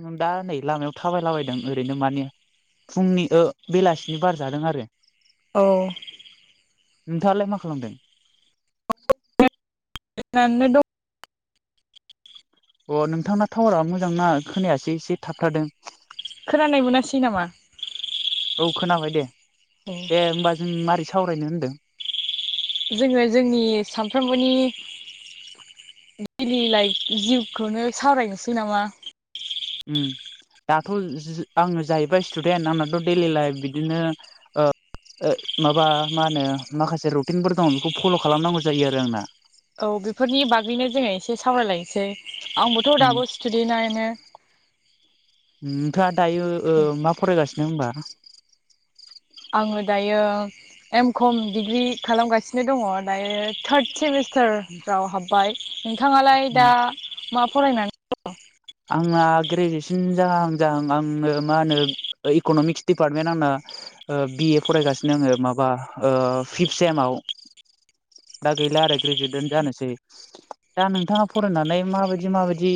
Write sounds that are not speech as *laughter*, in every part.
आं दा नै लामायाव थाबायलाबायदों ओरैनो मानि फुंनि ओ बेलासिनि बारजादों आरो *inaudible* नोंथाङालाय मा खालामदों? *unintelligible* अ नोंथांना टावारा मोजां नङा खोनायासो एसे थाबथदों। खोनानाय मोनासै नामा? औ खोनाबाय दे औ दे होमबा जों माबोरै सावरायनो होनदों। जोङो जोंनि सानफ्रोमबोनि। दैलि लाइक जिउखौनो सावरायनोसै नामा? उम। दाथ' आङो जाहैबाय स्टुडेन्ट आंनाथ' दैडेलि लाइफ बिदिनो। माबा मा होनो माखासे रुटिनफोर दङ बेखौ फल' खालामनांगौ जायो आरो आंना औ बेफोरनि बागैनो जोङो एसे सावरायलायनोसै आंबोथ' उम दाबो स्टुडे नायनो नोंथाङा दायो मा फरायगासिनो होनबा आङो दायो एम कम डिग्रि खालामगासिनो दङ दायो थार्द सेमिस्टार रफ्राव हाबबाय नोंथाङालाय उम दा मा फरायनानै दङ। आंना ग्रेजुवेसन जाहां जाहां आंनो मा होनो इक'नमिक्स डिपार्टमेन्ट आंना। बि ए फरायगासिनो आङो माबा फिफ्थ सेमाव। दा गैला आरो ग्रेजुवेटन जानोसै दा नोंथाङा फरायनानै माबायदि माबायदि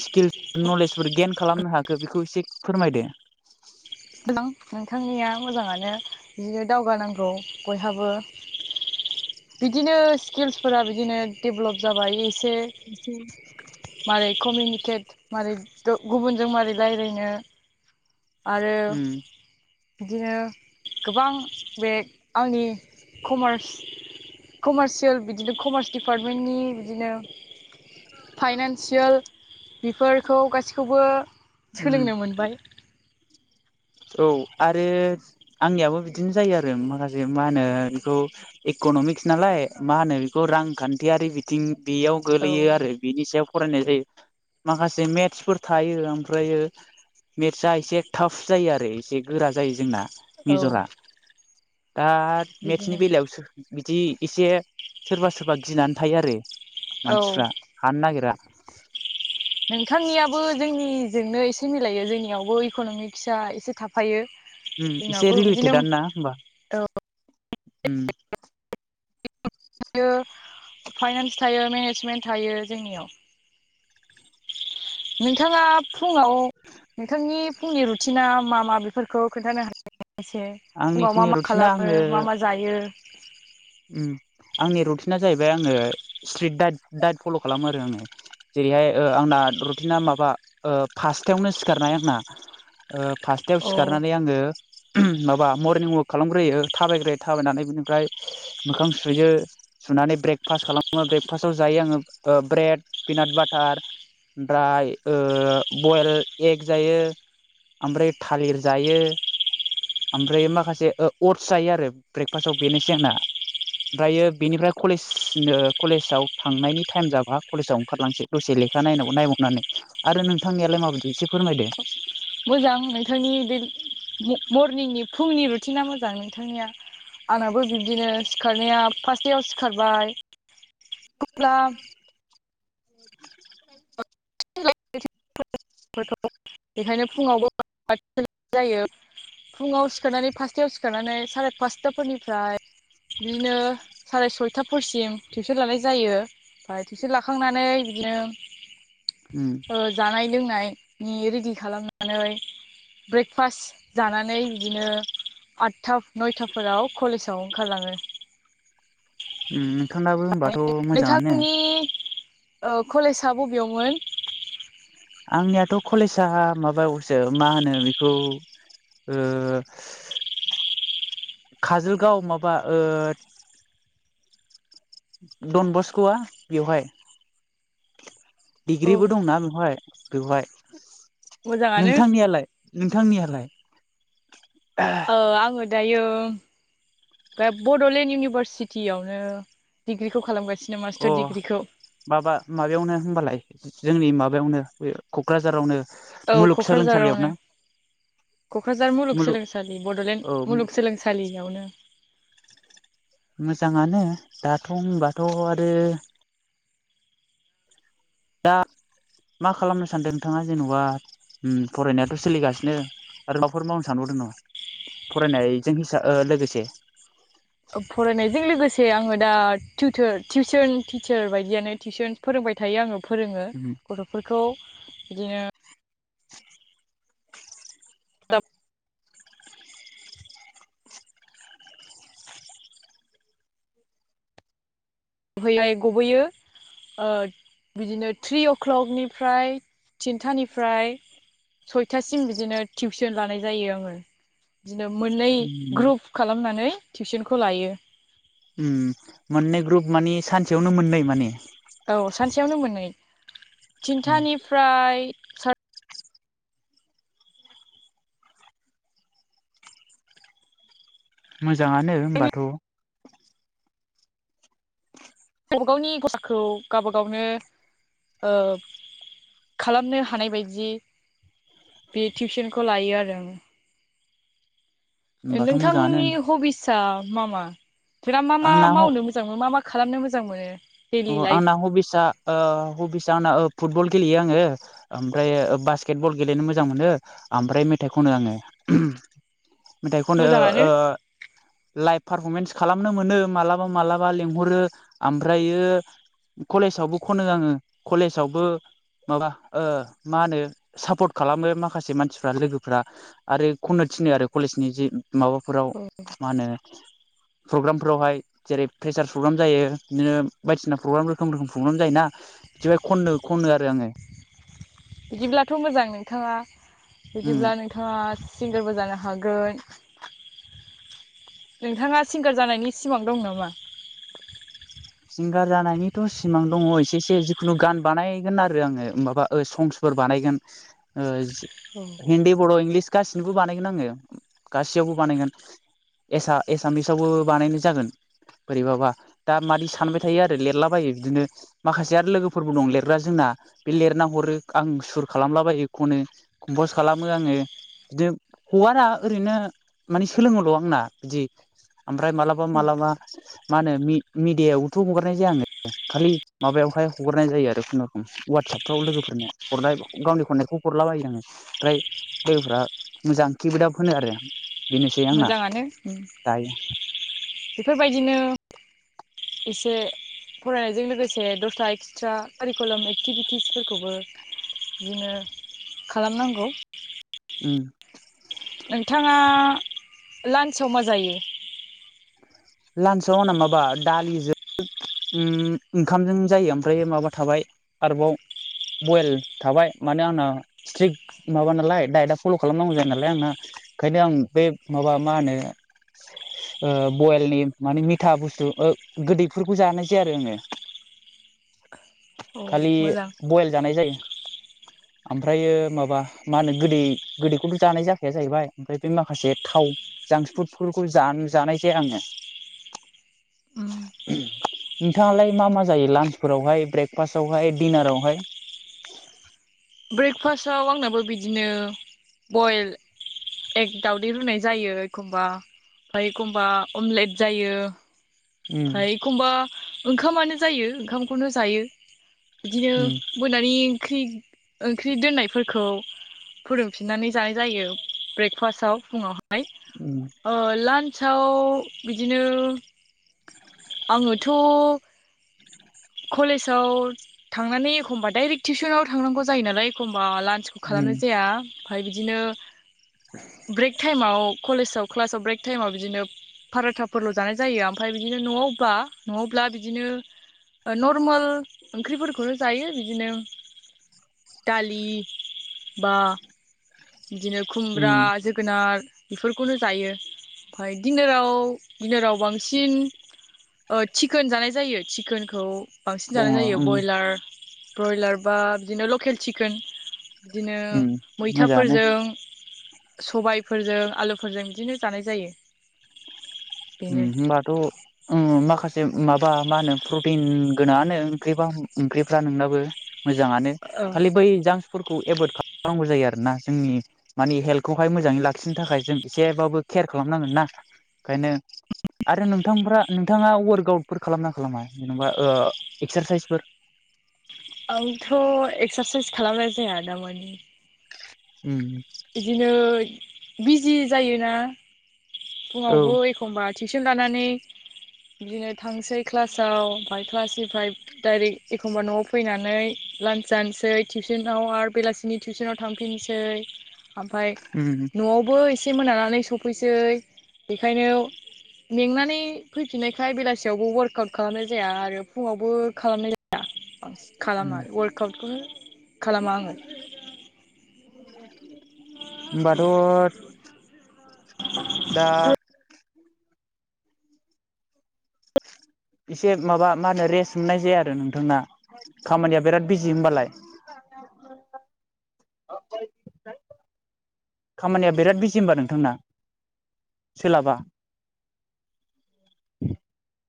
स्किल्स नलेजफोर गियानफोर खालामनो हाखो बेखौ एसे फोरमायदो। बां नोंथांनिया मोजाङानो बिदिनो दावगानांगौ बयहाबो। बिदिनो स्किल्सफोरा बिदिनो डेभलप जाबाय *inaudible* माबोरै कमिउनिकेट मारै गुबुनजों माबारै रायज्लायनो आरो उम बिदिनो गोबां बेग आंनि कमार्स कमार्सियेल बिदिनो कमार्स डिपार्टमेन्टनि बिदिनो फाइनानसियेल बेफोरखौ गासिखौबो उम सोलोंनो मोनबाय औ आरो आंनियाबो बिदिनो जायो आरो माखासे मा होनो बेखौ इकनमिक्स नालाय मा होनो बेखौ रांखान्थियारि बिथिं बेयाव औ गोलैयो आरो बिनि सायाव फरायनाय जायो माखासे मेटसफोर थायो ओमफ्रायो मेटसा एसे टाफ जायो आरो एसे गोरा जायो जोंना औ मेजरा दा मेटसनि बिदिनो बेलायावो बिदि एसे सोरबा सोरबा गिनानै थायो आरो औ मानसिफ्रा हानो नागिरा नोंथांनियाबो जोंनि जोंनो एसे मिलायो जोंनियावबो इकनमिक्सा एसे थाफायो उम एसे जोंनावबो बिदिनो रिलेटेदानोना होमबा औ फाइनान्स थायो मेनेजमेन्ट थायो जोंनियाव *inaudible* नोंथाङा फुङाव नोंथांनि फुंनि रुटिना मा मा बेफोरखौ खोन्थानो हागोन एसे आंनि फुङाव मा फुंनि मा रुटिना खालामो आङो मा मा जायो उम आंनि रुटिना जाहैबाय आङो स्ट्रिट दाइट फल खालामो आरो आङो जेरैहाय आंना रुटिना माबा फासथायावनो सिखारनाय आंना फासथायाव औ सिखारनानै आङो माबा मरनिं वाक खालामग्रोयो थाबायग्रोयो थाबायनानै बिनिफ्राय मोखां सुयो सुनानै ब्रेकफास्ट खालामो ब्रेकफास्टआव जायो आङो ब्रेड पनाट बाटार ओमफ्राय बयल एग जायो ओमफ्राय थालिर जायो ओमफ्राय माखासे अटस जायो आरो ब्रेकफास्टाव बेनोसै आंना ओफ्रायो बेनिफ्राय कलेज कलेजाव थांनायनि टाइम जाबा कलेजाव ओंखारलांसै दसे लेखा नायबावनानै आरो नोंथांनियालाय माबायदि एसे फोरमायदो मोजां नोंथांनि बे मरनिंनि फुंनि रुटिना मोजां नोंथांनिया आंनाबो बिब्दिनो सिखारनाया फासथायाव सिखारबाय अब्ला *unintelligible* *inaudible* बेखायनो फुङावबो जायो फुङाव सिखारनानै फासथायाव सिखारनानै साराय फासथाफोरनिफ्राय बिदिनो साराय सयथाफोरसिम टिउसन लानाय जायो ओमाय थिउसन लाखांनानै बिदिनो उम जानाय लोंनायनि रेडि खालामनानै ब्रेकफास्ट जानानै बिदिनो आथथा नयथाफोराव कलेजाव ओंखारलाङो उम नोंथांनाबो होनोमबाथ मोजाङानो नोंथांनि कलेजआ बबेयावमोन आंनियाथ कलेजा माबायावसो मा होनो बेखौ ओ काजलगाव माबा ओ डन बस्कआ बेयावहाय औ डिग्रिबो दंना बेवहाय बेवहाय मोजाङानो नोंथांनियालाय नोंथांनियालाय ओ अ आंगो दायो दा बडलेण्ड इउनिभारसिटियावनो डिग्रिखौ खालामगासिनो अ मास्टार डिग्रिखौ माबा माबायावनो होनबालाय जोंनि माबा माबायावनो बे कक्राझारावनो औ कक्राझारावनो मुलुगसोलोंसालियावनो कक्राझार मुलुग मुलुगसोलोंसालि औ बडलेण्ड मुलुगसोलोंसालियावनो मोजाङानो दाथ होनबाथ आरो दा मा खालामनो सानदों नोंथाङा जेनेबा ओम फरायनायाथ' सोलिगासिनो आरो माबाफोर मावनो सानबावदों नामा फरायनायजों हिसाब लोगोसे फरायनायजों लोगोसे आङो दा टिउसन टिचार बायदियानो टिउसन फोरों फोरोंबाय थायो आङो फोरोङो उम गथ'फोरखौ बिदिनो *unintelligible* गबोयो ओ बिदिनो थ्रि अ क्लकनिफ्राय थिनथानिफ्राय सयथासिम बिदिनो टिउसन लानाय जायो आङो बिदिनो मोननै उम ग्रुप खालामनानै टिउसनखौ लायो मोननै ग्रुप मानि सानसेयावनो मोननै माने औ सानसेयावनो मोननै थिनथानिफ्राय मोजाङानो होमबाथ' गावबा गावनि खरसाखौ गावबा गावनो खालामनो हानाय बायदि बे टिउसनखौ लायो आरो आं होमबाथ' मोजाङानो नोंथांनि हबिसा मा मा बिराद मा मा आंना ह मावनो मोजां मोनो मा मा खालामनो मोजां मोनो दैलि लाइफ आंना हबिसा हबिसा आंना ओ फुटबल गेलेयो आङो ओमफ्राय बास्केट बल गेलेनो मोजां मोनो ओमफ्राय मेथाइ खनो आङो मेथाइ खनो मोजाङानो ओ लाइफ पारफरमेन्स खालामनो मोनो मालाबा मालाबा लिंहरो ओमफ्रायो कलेजावबो खनो आङो कलेजावबो माबा ओ मा होनो सापर्ट खालामो माखासे मानसिफ्रा लोगोफ्रा आरो खननो थिनो आरो कलेजनि जि माबाफोराव औ मा होनो प्रग्रामफोरावहाय जेरै प्रेसार प्रग्राम जायो बिदिनो बायदिसिना प्रग्राम रोखोम रोखोम प्रग्राम जायोना बिदि खननो खनो आरो आङो बिदिब्लाथ' मोजां नोंथाङा उम बिदिब्ला नोंथाङा सिंगारबो जानो हागोन नोंथाङा सिंगार जानायनि सिमां दं नामा सिंगार जानायनिथ' सिमां दङ एसे एसे जिखुनु गान बानायगोन आरो आङो माबा संसफोर बानायगोन ओ औ हिन्दी बर' इंलिस गासिनोबो बानायगोन आङो गासैयावबो बानायगोन एसा एसामिसावबो बानायनाय जागोन बोरैबाबा दा मादि सानबाय थायो आरो लिरलाबायो बिदिनो माखासे आरो लोगोफोरबो दं लिरग्रा जोंना बे लिरना हरो आं सुर खालामलाबाय एखौनो कमपस खालामो आङो बिदिनो हगारा ओरैनो मानि सोलोङोल' आंना बिदि ओमफ्राय मालाबा मालाबा मा होनो मिडियायाव हगारनाय जाया आङो खालि माबायावहाय हगारनाय जायो आरो खुनुरुखुम वाट्सपफ्राव लोगोफोरनो हरनाय गावनि खननायखौ हरलाबायो आङो ओमफ्राय लोगोफ्रा मोजां किप आप होनो आरो आ बेनोसै आंना मोजाङानो उम दायो बेफोरबायदिनो एसे फरायनायजों लोगोसे दस्रा एक्सट्रा कारिकुलाम एक्टिभिटिसफोरखौबो बिदिनो खालामनांगौ ओम नोंथाङा लानसआव मा जायो लानसआव आंना माबा दालिजों ओम ओंखामजों जायो ओमफ्राय माबा थाबाय आरोबाव बयेल थाबाय माने आंना स्ट्रिक माबा नालाय डाइटआ फल' खालामनांगौ जायो नालाय आंना ओंखायनो आं बे माबा मा होनो ओ बयेलनि माने मिथा बुस्थु ओ गोदैफोरखौ जानाय जाया आरो आङो औ खालि मोजां बयल जानाय जायो ओमफ्रायो माबा मा होनो गोदै गोदैखौथ' जानाय जाखाया जाहैबाय ओमफ्राय बे माखासे थाव जांक्सफुटफोरखौ जान जानाय जाया आङो उम नोंथाङालाय मा मा जायो लान्चफोरावहाय ब्रेकफास्टावहाय दिडिनारावहाय *inaudible* ब्रेकफास्टाव आंनाबो बिदिनो बइल एक दावदै रुनाय जायो एखमबा ओमफ्राय एखमबा अमलेट जायो उम ओमफ्राय एखमबा ओंखामानो जायो ओंखामखौनो जायो बिदिनो उम मोनानि ओंख्रि ओंख्रि दोननायफोरखौ फुदुंफिननानै जानाय जायो ब्रेकफास्टाव फुङावहाय उम ओ लान्स साव बिदिनो आङोथ' कलेजाव थांनानै एखमबा डाइरेक्ट टिउसनाव थांनांगौ जायो नालाय एखम बा लान्चखौ उम खालामनाय जाया ओमफ्राय बिदिनो ब्रेक टाइमाव कलेजाव क्लासाव ब्रेक टाइमाव बिदिनो फाराथाफोरल' जानाय जायो ओमफ्राय बिदिनो न'आवब्ला न'आवब्ला बिदिनो नरमोल ओंख्रिफोरखौनो जायो बिदिनो दालि बा बिदिनो उम खुमब्रा जोगोनार बेफोरखौनो जायो ओमफ्राय दिनाराव दिनाराव बांसिन ओ चिकोन जानाय जायो चिकोनखौ बांसिन दङ जानाय जायो उम बयलार ब्रयलार बा बिदिनो लकेल चिकोन बिदिनो उम मोजाङानो मैथाफोरजों सबाइफोरजों आलुफोरजों बिदिनो जानाय जायो ओम बेनो होनोमबाथ' ओम माखासे माबा मा होनो प्रटिन गोनाङानो ओंख्रिबा ओंख्रिफ्रा नोंनाबो मोजाङानो औ खालि बै जां फोरखौ एभयद खालामनांगौ जायो आरोना जोंनि माने हेल्थखौहाय मोजाङै लाखिनो थाखाय जों एसेबाबो केयार खालामनांगोन ना ओंखायनो आरो नोंथांफ्रा नोंथाङा वार्कआउटफोर खालामना खालामा जेनेबा एक्सारसाइसफोर *inaudible* आंथ' एक्सारसाइस खालामनाय जाया दा मानि उम बिदिनो बिजि जायोना औ फुङावबो एखमबा टिउसन लानानै बिदिनो थांसै क्लासाव ओमफ्राय क्लासनिफ्राय डाइरेक्ट एखमबा न'आव फैनानै लान्च जानोसै टिउसनाव आरो बेलासिनि टिउसनाव थांफिनसै ओमफाय उम न'आवबो एसे मोनानानै सफैसै बेखायनो मेंनानै फै फिननायखाय बेलासियावबो वार्कआउट खालामनाय जाया आरो फुङावबो खालामनाय जाया खालामा वार्कआउटखौनो खालामा आङो *inaudible* होमबाथ दात एसे माबा मा होनो रेस्ट मोननाय जाया आरो नोंथांना खामानिया बिराद बिजि होमबालाय *unintelligible* खामानिया बिराद बिजि होमबा नोंथांना सोलाबा *inaudible*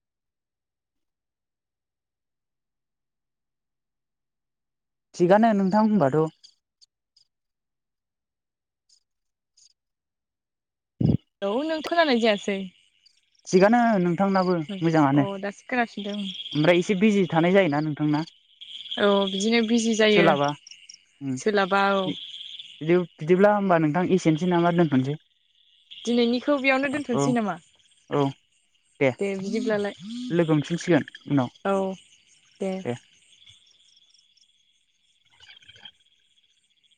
थिगानो नोंथां होनबाथ' औ नों खोनानाय जायासै थिगानो नोंथांनाबो अ मोजाङानो दासो खोनाफिनदों ओमफ्राय एसे बिजि थानाय जायोना नोंथांना औ बिदिनो बिजि जायो ओम सोलाबा औ बि बिदि बिदिब्ला होमबा नोंथां एसेनोसै नामा दोनथ'नोसै दिनैनिखौ बेयावनो औ दोनथ'सै नामा औ दे लोगो मोनफिनसिगोन उनाव बिदिब्लालाय औ दे